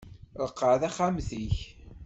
Ṛeqqeɛ taxxamt-ik!